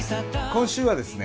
今週はですね